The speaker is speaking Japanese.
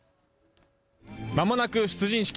まもなく出陣式。